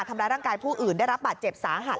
ทำร้ายร่างกายผู้อื่นได้รับบาดเจ็บสาหัส